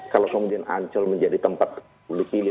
kalau kemudian ancol menjadi tempat dipilih